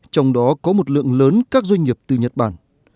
trong đó có một lượng lớn các doanh nghiệp từ nhật bản